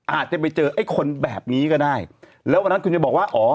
อาจจะไปเจอไอ้คนแบบนี้ก็ได้แล้ววันนั้นคุณจะบอกว่าอ๋อ